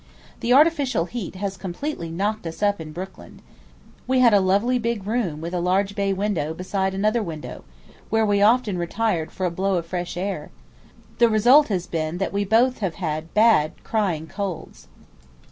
The artificial heat has completely knocked us up in Brooklyn. We had a lovely big room with a large bay window besides another window, where we often retired for a blow of fresh air; the result has been that we both have had bad crying colds.